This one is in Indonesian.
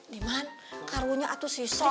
diman karunya atuh sih sri